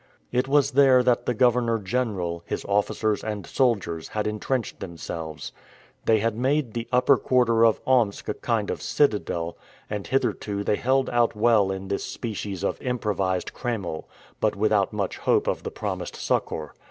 It was there that the Governor General, his officers, and soldiers had entrenched themselves. They had made the upper quarter of Omsk a kind of citadel, and hitherto they held out well in this species of improvised "kreml," but without much hope of the promised succor.